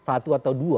satu atau dua